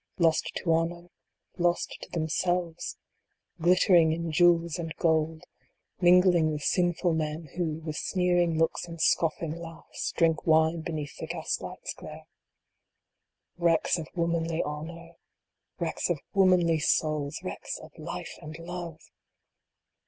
lost to honor, lost to themselves ; glittering in jewels and gold ; mingling with THE AUTOGRAPH ON THE SOUL. 105 sinful men, who, with sneering looks and scoffing laughs, drink wine beneath the gas light s glare. Wrecks of womanly honor ! Wrecks of womanly souls ! Wrecks of life and love